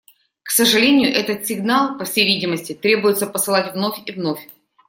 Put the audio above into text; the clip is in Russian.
К сожалению, этот сигнал, по всей видимости, требуется посылать вновь и вновь.